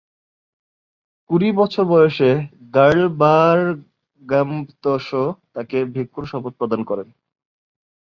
কুড়ি বছর বয়সে র্গ্যাল-বা-র্গ্যা-ম্ত্শো তাকে ভিক্ষুর শপথ প্রদান করেন।